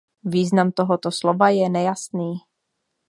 Význam tohoto slova je nejasný.